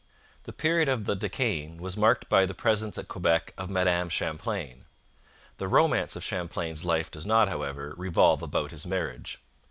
The period of the De Caens was marked by the presence at Quebec of Madame Champlain. The romance of Champlain's life does not, however, revolve about his marriage.